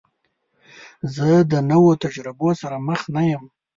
زه د نوو تجربو سره مخ نه یم.